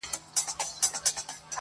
په کومه ورځ چي مي ستا پښو ته سجده وکړله